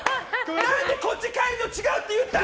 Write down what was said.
何でこっち変えるの違うって言ったの！